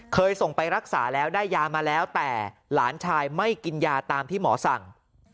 เคยส่งไปรักษาแล้วได้ยามาแล้วแต่หลานชายไม่กินยาตามที่หมอสั่ง